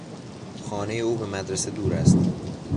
خانهٔ او به مدرسه دور است.